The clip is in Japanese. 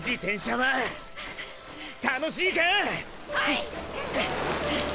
はい！